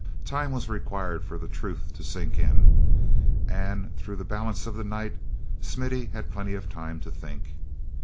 Time was required for the truth to sink in; and through the balance of the night Smithy had plenty of time to think.